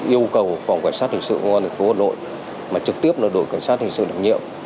yêu cầu phòng cảnh sát hình sự công an tp hà nội